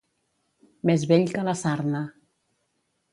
Més vell que la sarna.